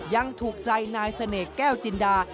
ยังถูกใจนายเสน่ห์แก้วจินดา